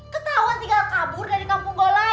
ketahuan tinggal kabur dari kampung gola